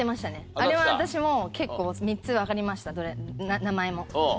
あれは私も結構３つわかりました名前も。